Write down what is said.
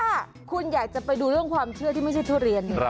ถ้าคุณอยากจะไปดูเรื่องความเชื่อที่ไม่ใช่ทุเรียน